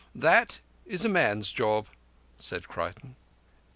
That is a man's job," said Creighton.